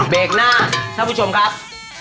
เบรกหน้าท่านผู้ชมครับ